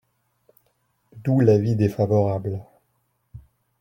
D’où l’avis défavorable.